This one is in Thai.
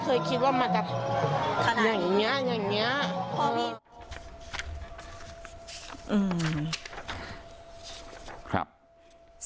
โปรดติดตามต่อไป